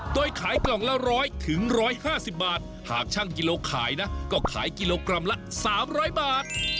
โดยขายกล่องละ๑๐๐๑๕๐บาทหากช่างกิโลขายนะก็ขายกิโลกรัมละ๓๐๐บาท